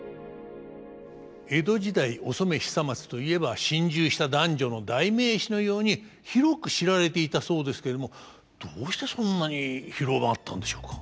江戸時代お染久松といえば心中した男女の代名詞のように広く知られていたそうですけれどもどうしてそんなに広まったんでしょうか。